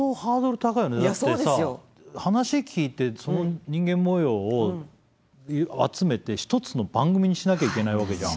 だってさ話聞いてその人間模様を集めて一つの番組にしなきゃいけないわけじゃん。